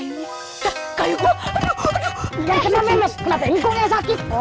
yuk aduh aduh